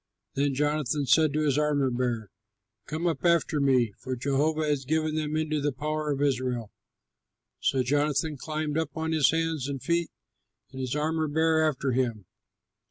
Then Jonathan said to his armor bearer, "Come up after me, for Jehovah has given them into the power of Israel." So Jonathan climbed up on his hands and feet and his armor bearer after him.